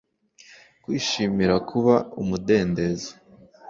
Kwishimira kuba umudendezo